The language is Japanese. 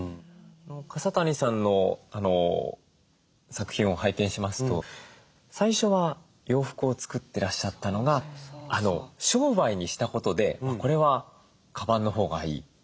笠谷さんの作品を拝見しますと最初は洋服を作ってらっしゃったのが商売にしたことでこれはカバンのほうがいい。